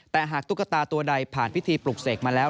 แต่หากตุ๊กตาตัวใดผ่านพิธีปลุกเสกมาแล้ว